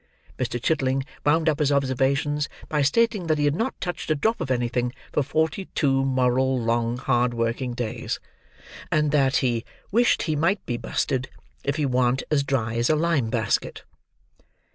Mr. Chitling wound up his observations by stating that he had not touched a drop of anything for forty two moral long hard working days; and that he "wished he might be busted if he warn't as dry as a lime basket."